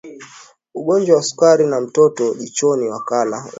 ugonjwa wa sukari na mtoto jichoni Wakala wa